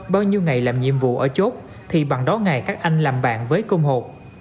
bao nhiêu ngày làm nhiệm vụ ở chốt thì bằng đó ngày các anh làm bạn với cơm hột